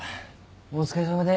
お疲れさまです。